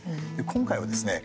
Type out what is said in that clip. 今回はですね